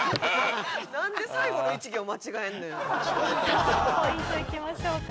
さあポイントいきましょうか。